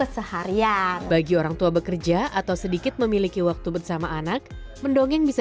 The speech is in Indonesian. seharian bagi orang tua bekerja atau sedikit memiliki waktu bersama anak mendongeng bisa